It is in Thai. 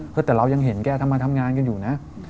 แต่เรายังเห็นแกทำมาทำงานกันอยู่นะ